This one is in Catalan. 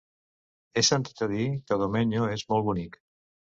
He sentit a dir que Domenyo és molt bonic.